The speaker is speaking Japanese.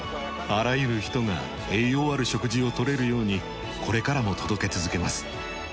あらゆる人が栄養ある食事を取れるようにこれからも届け続けます。